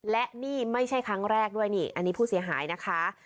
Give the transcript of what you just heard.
และนี่ไม่ใช่ครั้งแรกด้วยนี่อันนี้ผู้เสียหายนะคะ